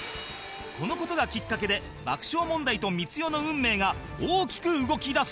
この事がきっかけで爆笑問題と光代の運命が大きく動き出す